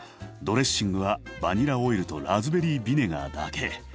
ドレッシングはバニラオイルとラズベリービネガーだけ。